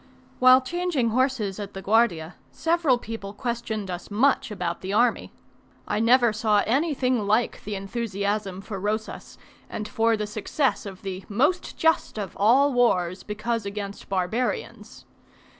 While changing horses at the Guardia several people questioned us much about the army, I never saw anything like the enthusiasm for Rosas, and for the success of the "most just of all wars, because against barbarians."